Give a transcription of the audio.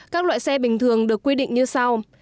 các loại xe bình thường được quy định như sau